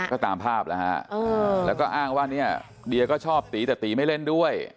ก็ตามภาพแล้วฮะแล้วก็อ้างว่าเนี่ยเดียก็ชอบตีแต่ตีไม่เล่นด้วย